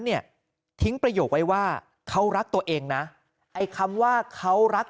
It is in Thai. เนี่ยทิ้งประโยคไว้ว่าเขารักตัวเองนะไอ้คำว่าเขารัก